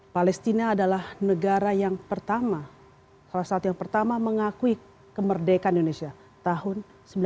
palestina adalah negara yang pertama salah satu yang pertama mengakui kemerdekaan indonesia tahun seribu sembilan ratus sembilan puluh lima